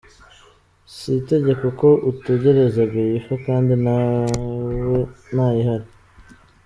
Si itegeko ko utegereza Beifa kandi nta yihari.